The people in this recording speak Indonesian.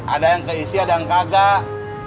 ada yang keisi ada yang gagak